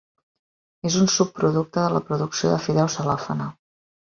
És un subproducte de la producció de fideus cel·lofana.